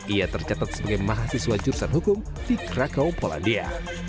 ia tercatat sebagai mahasiswa jurusan hukum di krakau polandia